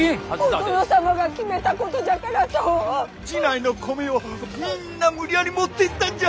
寺内の米をみんな無理やり持ってったんじゃ！